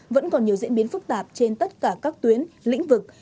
vẫn còn nhiều diễn biến phức tạp trên tất cả các tuyến lĩnh vực